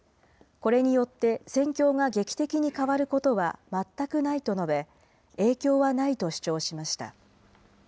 これによって戦況が劇的に変わることは全くないと述べ、影響はないと主張しました。